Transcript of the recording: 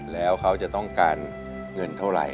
แล้วเขาจะต้องการเงินเท่าไหร่